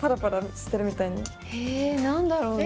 えなんだろうね？